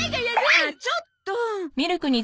ああっちょっと！